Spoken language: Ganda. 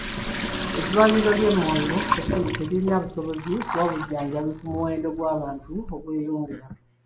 Eddwaliro ly'e Moyo ekkulu teririna busobozi kuwa bujjanjabi ku muwendo gw'abantu ogweyongera.